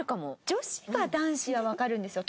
女子が男子はわかるんですよ。